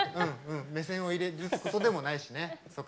目線を入れるほどでもないしね。